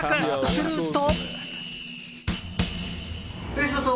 すると。